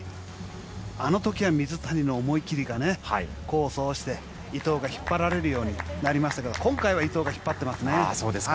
あの時は水谷の思い切りが功を奏して伊藤が引っ張られるようになりましたけど今回は伊藤が引っ張ってますね。